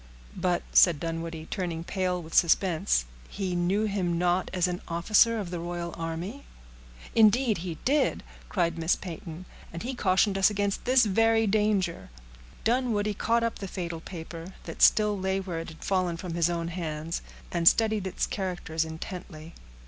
"But," said Dunwoodie, turning pale with suspense, "he knew him not as an officer of the royal army?" "Indeed he did," cried Miss Peyton; "and he cautioned us against this very danger." Dunwoodie caught up the fatal paper, that still lay where it had fallen from his own hands, and studied its characters intently.